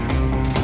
mel jujur ya